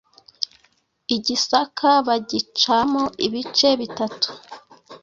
i Gisaka bagicamo ibice bitatu.